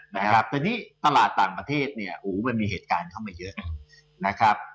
แต่ตอนนี้ตลาดต่างประเทศมันมีเหตุการณ์เข้ามาเยอะนะครับ